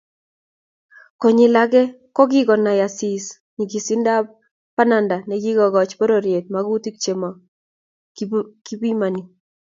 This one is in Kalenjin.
Konyil age kokinai Asisi nyigisindab bananda nekiikoch pororiet magutik chemo kipimani